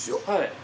はい。